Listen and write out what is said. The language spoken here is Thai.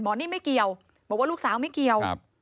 นิ่มไม่เกี่ยวบอกว่าลูกสาวไม่เกี่ยว